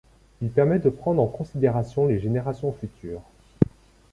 Il permet de prendre en considération les générations futures.